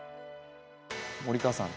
森川さん